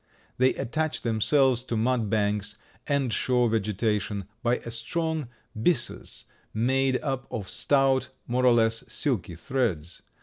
They attach themselves to mud banks and shore vegetation by a strong byssus made up of stout, more or less silky threads.